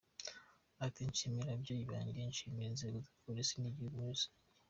Ati “Nshimira ababyeyi banjye, nshimira inzego za Polisi n’igihugu muri rusange”.